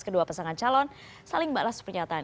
kedua pasangan calon saling balas pernyataan